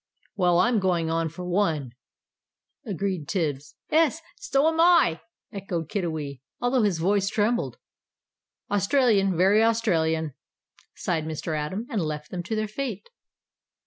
"Well, I'm going on, for one," agreed Tibbs. "'Es, so am I!" echoed Kiddiwee, although his voice trembled. "Australian very Australian!" sighed Mr. Atom, and left them to their fate.